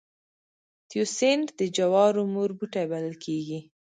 تیوسینټ د جوارو مور بوټی بلل کېږي